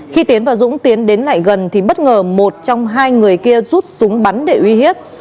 khi tiến và dũng tiến đến lại gần thì bất ngờ một trong hai người kia rút súng bắn để uy hiếp